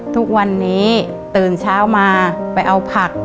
ทุกวันนี้ตื่นเช้ามาไปเอาผัก